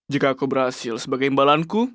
jika aku berhasil sebagai imbalanku